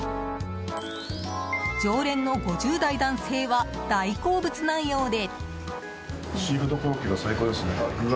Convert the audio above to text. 常連の５０代男性は大好物なようで。